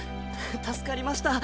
助かりました。